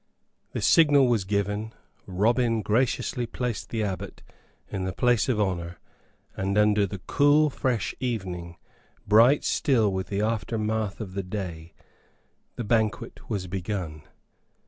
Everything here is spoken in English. The signal was given, Robin graciously placed the abbot in the place of honor; and under the cool fresh evening, bright still with the aftermath of the day, the banquet was begun.